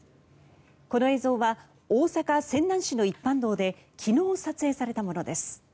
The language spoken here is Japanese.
この映像は大阪・泉南市の一般道で昨日、撮影されたものです。